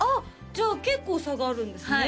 じゃあ結構差があるんですね